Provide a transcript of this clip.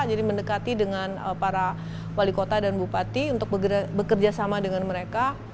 jadi mendekati dengan para wali kota dan bupati untuk bekerja sama dengan mereka